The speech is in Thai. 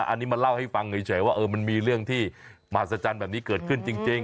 อันนี้มาเล่าให้ฟังเฉยว่ามันมีเรื่องที่มหัศจรรย์แบบนี้เกิดขึ้นจริง